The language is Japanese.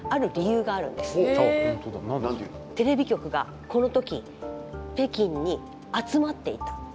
テレビ局がこの時北京に集まっていた。